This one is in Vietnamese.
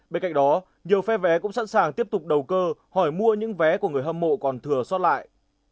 bên cạnh đó nhiều phe vé cũng sẵn sàng tiếp tục đầu cơ hỏi mua những vé của người hâm mộ còn thừa xót lại